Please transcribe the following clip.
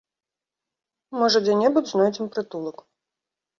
Можа дзе-небудзь знойдзем прытулак.